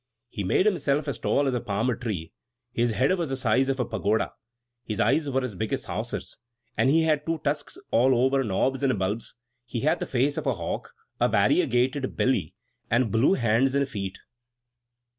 He made himself as tall as a palm tree; his head was the size of a pagoda, his eyes as big as saucers, and he had two tusks all over knobs and bulbs; he had the face of a hawk, a variegated belly, and blue hands and feet.